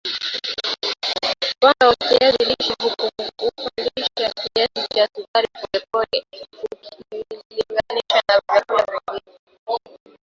Wanga wa kiazi lishe hupandisha kiasi cha sukari polepole ukilinganisha na vyakula vingine